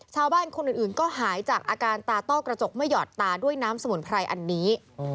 ชาวบ้านคนอื่นก็หายจากอาการตาต้อกระจกไม่หอดตาด้วยน้ำสมุนไพรอันนี้